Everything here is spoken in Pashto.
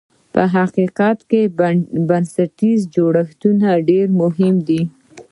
په حقیقت کې بنسټیز جوړښتونه ډېر مهم دي.